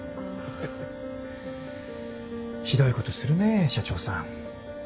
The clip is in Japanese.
ひどいことするねぇ社長さん。